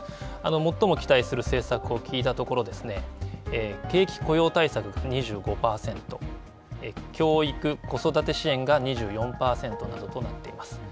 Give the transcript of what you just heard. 最も期待する政策を聞いたところ景気雇用対策が２５％、教育子育て支援が２４％などとなっています。